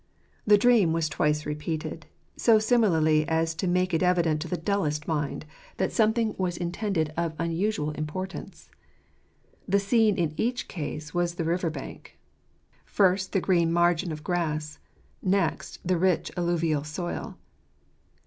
The dream was twice repeated, so similarly as to make it evident to the dullest mind that something was intended 7 ° ®ke J^teps of tfye ®fjroit£. of unusual importance. The scene in each case was the river bank ; first the green margin of grass, next the rich alluvial soil.